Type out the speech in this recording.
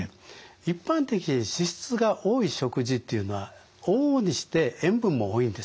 一般的に脂質が多い食事というのは往々にして塩分も多いんですね。